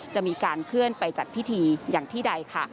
จะมีการเคลื่อนไปจัดพิธีอย่างที่ใดค่ะ